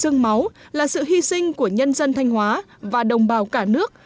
sương máu là sự hy sinh của nhân dân thanh hóa và đồng bào cả nước